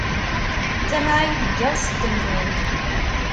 D tamɛayt n yiɣes n temtunt.